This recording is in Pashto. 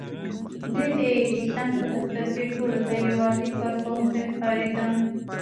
دی د ايډېسن په دفتر کې ټولو ته يو عادي کارکوونکی ښکارېده.